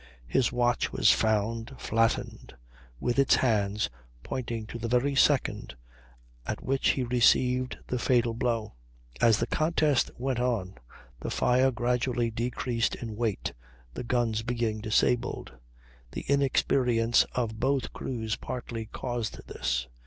His watch was found flattened, with its hands pointing to the very second at which he received the fatal blow. As the contest went on the fire gradually decreased in weight, the guns being disabled. The inexperience of both crews partly caused this.